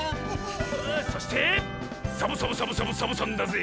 そしてサボサボサボサボサボさんだぜ！